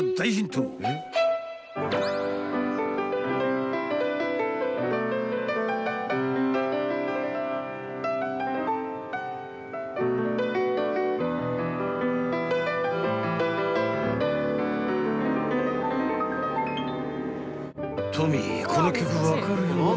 ［トミーこの曲分かるよな？